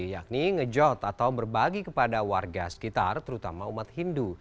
yakni ngejot atau berbagi kepada warga sekitar terutama umat hindu